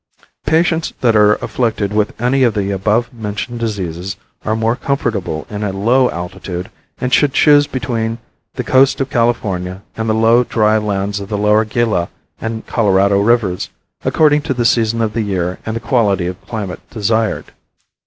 Patients that are afflicted with any of the above mentioned diseases are more comfortable in a low altitude and should choose between the coast of California and the low, dry lands of the lower Gila and Colorado rivers, according to the season of the year and the quality of climate desired.